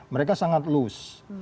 mereka sangat lus